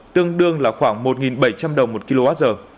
tương đương là khoảng một bảy trăm linh đồng một kwh